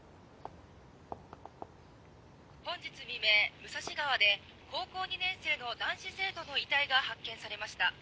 本日未明武蔵川で高校２年生の男子生徒の遺体が発見されました。